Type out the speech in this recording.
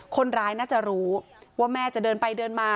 คนร้ายน่าจะรู้ว่าแม่จะเดินไปเดินมา